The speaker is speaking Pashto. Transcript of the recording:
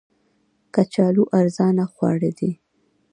کچالو ارزانه خواړه دي